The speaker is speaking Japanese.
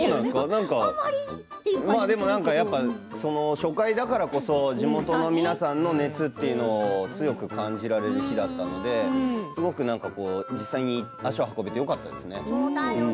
初回だからこそ地元の皆さんの熱というのを強く感じられる日だったので実際に足を運べてよかったですね。